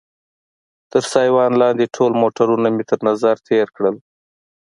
تر سایوان لاندې ټول موټرونه مې تر نظر تېر کړل.